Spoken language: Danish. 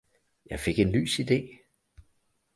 Jeg fik en lys ide!